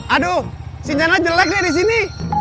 aduh sinyalnya jelek nih disini